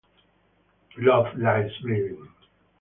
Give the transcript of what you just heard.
Love Lies Bleeding